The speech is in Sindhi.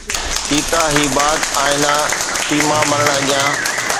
سيتا هي بات آينا سيما مرڻ اڳيان